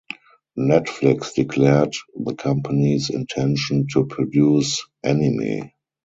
Netflix declared the company's intention to produce anime.